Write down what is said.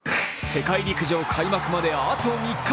世界陸上開幕まであと３日。